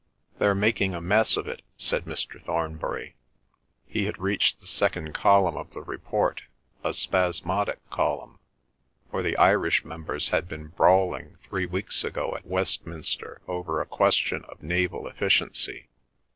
"They're making a mess of it," said Mr. Thornbury. He had reached the second column of the report, a spasmodic column, for the Irish members had been brawling three weeks ago at Westminster over a question of naval efficiency.